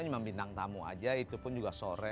cuma bintang tamu aja itu pun juga sore